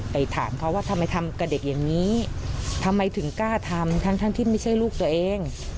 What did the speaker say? ไปถามเขาว่าทำไมทำกับเด็กอย่างนี้ทำไมถึงกล้าทำทั้งที่ไม่ใช่ลูกตัวเอง